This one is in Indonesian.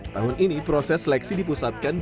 tahun ini proses seleksi dipusatkan